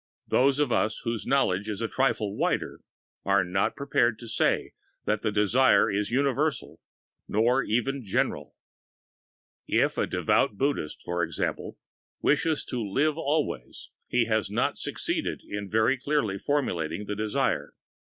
Those of us whose knowledge is a trifle wider are not prepared to say that the desire is universal or even general. If the devout Buddhist, for example, wishes to "live alway," he has not succeeded in very clearly formulating the desire.